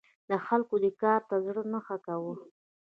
د خلکو دې کار ته زړه نه ښه کاوه.